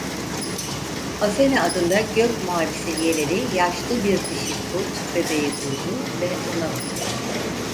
Asena adında gök mavisi yeleli yaşlı bir dişi kurt bebeği buldu ve ona baktı.